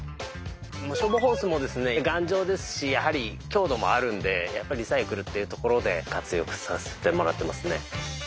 消防ホースもですねやはり頑丈ですし強度もあるのでやっぱりリサイクルっていうところで活用させてもらってますね。